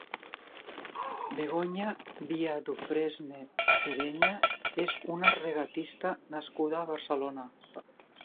Begonya Via-Dufresne Pereña és una regatista nascuda a Barcelona.